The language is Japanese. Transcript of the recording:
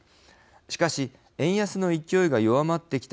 しかし、円安の勢いが弱まってきた